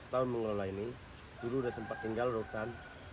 saya sebelas tahun mengelola ini dulu sudah sempat tinggal di hutan